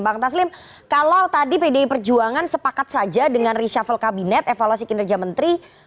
bang taslim kalau tadi pdi perjuangan sepakat saja dengan reshuffle kabinet evaluasi kinerja menteri